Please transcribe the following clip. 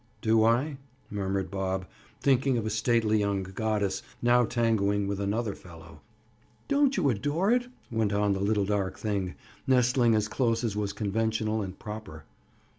"Do I?" murmured Bob, thinking of a stately young goddess, now tangoing with another fellow. "Don't you adore it?" went on the little dark thing, nestling as close as was conventional and proper.